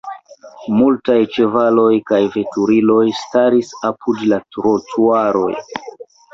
Multaj ĉevaloj kaj veturiloj staris apud la trotuaroj.